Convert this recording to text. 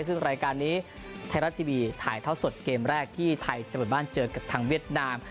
ซึ่งรายการนี้ไทยรัฐทีวีถ่ายท่อสดเกมแรกที่ไทยจะเปิดบ้านเจอกับทางเวียดนาม